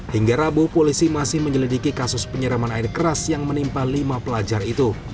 hingga rabu polisi masih menyelidiki kasus penyiraman air keras yang menimpa lima pelajar itu